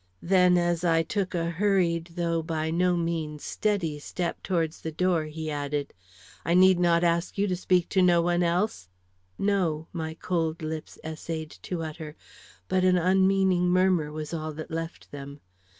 Then, as I took a hurried, though by no means steady, step towards the door, he added: "I need not ask you to speak to no one else?" "No," my cold lips essayed to utter, but an unmeaning murmur was all that left them.